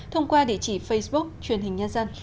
thông qua địa chỉ facebook chuyên hình nhân dân